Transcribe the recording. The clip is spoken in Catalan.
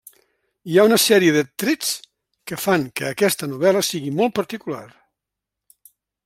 Hi ha una sèrie de trets que fan que aquesta novel·la siga molt particular.